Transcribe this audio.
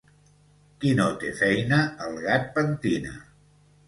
Qui no té feina el gat pentina